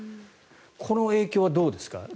この影響はどうですか？